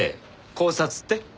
考察って？